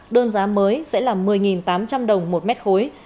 đơn giá mới sẽ là một mươi tám trăm linh đồng một mét khối